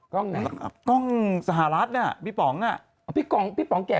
กล้องไหนกล้องสหรัฐน่ะพี่ป๋องน่ะพี่กล้องพี่ป๋องแก่